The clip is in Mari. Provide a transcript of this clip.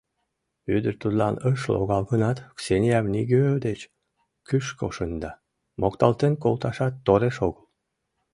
Ӱдыр тудлан ыш логал гынат, Ксениям нигӧ деч кӱшкӧ шында, мокталтен колташат тореш огыл.